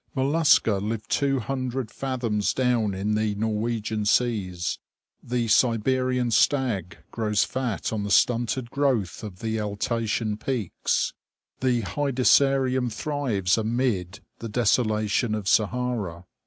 Mollusca live two hundred fathoms down in the Norwegian seas. The Siberian stag grows fat on the stunted growth of Altaian peaks. The Hedysarium thrives amid the desolation of Sahara.